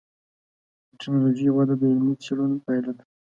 د ټکنالوجۍ وده د علمي څېړنو پایله ده.